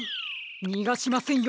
にがしませんよ